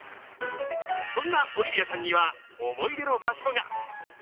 そんなオリビアちゃんには、思い出のある場所が。